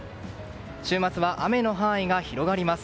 週末は雨の範囲が広がります。